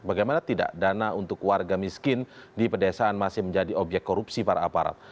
bagaimana tidak dana untuk warga miskin di pedesaan masih menjadi obyek korupsi para aparat